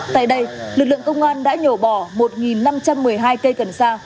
tại đây lực lượng công an đã nhổ bỏ một năm trăm một mươi hai cây cần sa